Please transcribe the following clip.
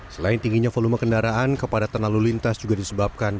selain tingginya volume kendaraan kepadatan lalu lintas juga disebabkan